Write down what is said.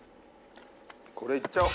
これいっちゃおう。